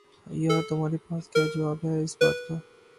یار تمہارے پاس کیا جواب ہے اس بات کا